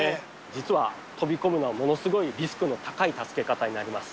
実は飛び込むのはものすごいリスクの高い助け方になります。